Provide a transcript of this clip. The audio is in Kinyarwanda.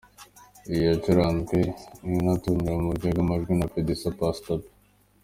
Iyi yacuranzwe inatunganywa mu buryo bw’amajwi na producer Pastor P.